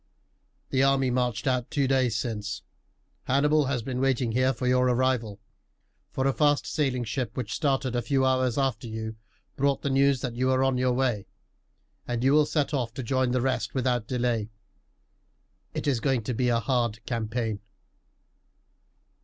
"The army marched out two days since. Hannibal has been waiting here for your arrival, for a fast sailing ship which started a few hours after you brought the news that you were on your way, and you will set off to join the rest without delay. It is going to be a hard campaign."